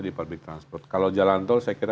di public transport kalau jalan tol saya kira